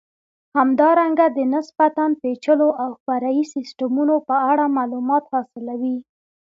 همدارنګه د نسبتا پېچلو او فرعي سیسټمونو په اړه معلومات حاصلوئ.